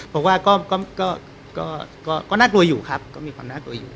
เพราะว่าก็น่ากลัวอยู่ครับก็มีความน่ากลัวอยู่